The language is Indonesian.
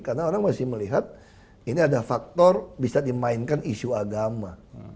karena orang masih melihat ini ada faktor bisa dimainkan isu agama